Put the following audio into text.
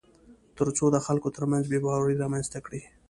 تر څو د خلکو ترمنځ بېباوري رامنځته کړي